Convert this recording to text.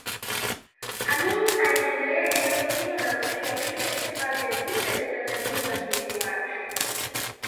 Amin alitembelea eneo hilo na kupiga picha vifaa vya vita vya Tanzania vilivyoachwa